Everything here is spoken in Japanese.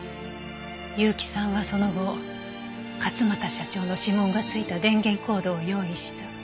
結城さんはその後勝又社長の指紋がついた電源コードを用意した。